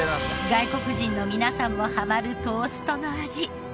外国人の皆さんもハマるトーストの味。